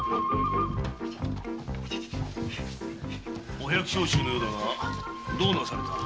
お百姓衆のようだがどうなされた？